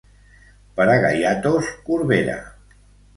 Per a gaiatos, Corbera.